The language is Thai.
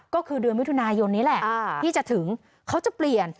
ก็คือเดือนมิถุนายนนี้แหละที่จะถึงเขาจะเปลี่ยน